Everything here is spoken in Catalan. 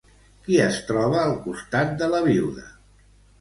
Qui es troba al costat de la viuda?